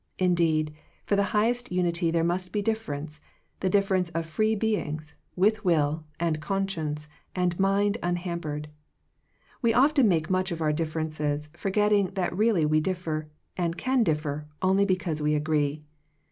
Indeed, for the highest unity there must be difference, the difference of free be ings, with will, and conscience, and mind unhampered. We often make much of our differences, forgetting that really we differ, and can differ, only because we agree.